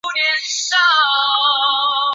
以期让浏览器运行更有效率。